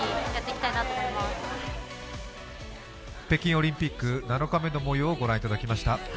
北京オリンピック７日目の模様をご覧いただきました